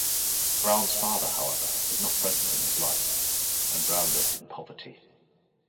Brown's father, however, was not present in his life, and Brown lived in poverty.